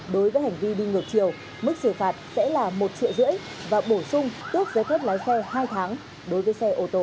đối với hành vi đi ngược chiều mức xử phạt sẽ là một triệu rưỡi và bổ sung tước giấy phép lái xe hai tháng đối với xe ô tô